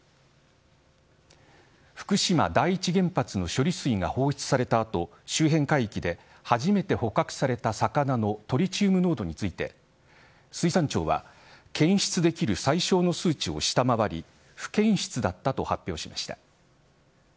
福島第１原発の処理水が放出されたあと周辺海域で初めて捕獲された魚のトリチウム濃度について水産庁は検出できる最小の数値を下回り不検出だったと発表しました。